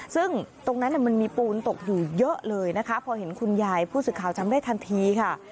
ซึ่งตรงนั้นมันมีปูนตกอยู่เยอะเลยนะคะพอเห็นคุณยายผู้สื่อข่าวจำได้ทันทีค่ะ